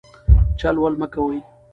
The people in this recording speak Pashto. چل ول مه کوئ.